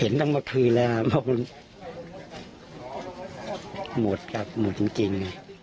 เห็นตั้งเมื่อคืนแล้วครับหมดครับหมดจริง